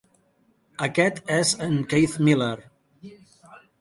Aquest és en Keith Miller.